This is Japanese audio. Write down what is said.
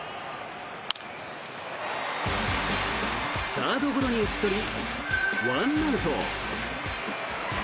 サードゴロに打ち取り１アウト。